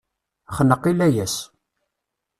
Xneq i layas.